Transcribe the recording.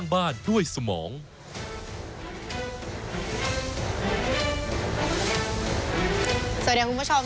สวัสดีครับคุณผู้ชม